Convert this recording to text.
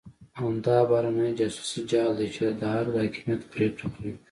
همدا بهرنی جاسوسي جال دی چې د ارګ د حاکمیت پرېکړه کوي.